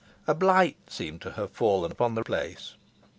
A blight seemed to have fallen upon the place.